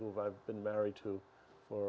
jadi terjadi banyak penipu